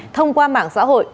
thông qua mạng xã hội